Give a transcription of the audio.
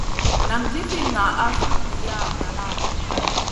Nan jifi ŋah suhgiya nala ?